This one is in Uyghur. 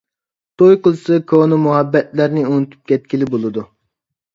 توي قىلسا كونا مۇھەببەتلەرنى ئۇنتۇپ كەتكىلى بولىدۇ.